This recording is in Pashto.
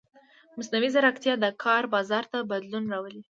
مصنوعي ځیرکتیا د کار بازار ته بدلون راولي.